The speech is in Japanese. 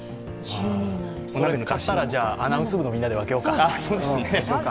それ買ったら、アナウンス部のみんなで分けようか。